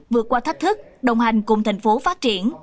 vượt qua thách thức đồng hành cùng thành phố phát triển